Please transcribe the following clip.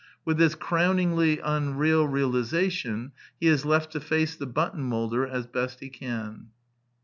With this crowningly unreal realization he is left to face the button moulder as best he can.